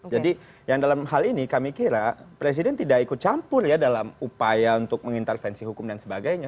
jadi yang dalam hal ini kami kira presiden tidak ikut campur ya dalam upaya untuk mengintervensi hukum dan sebagainya